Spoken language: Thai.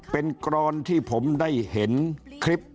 เป็นกรอนที่ผมได้เห็นคลิป